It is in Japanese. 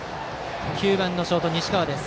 ９番ショート、西川です。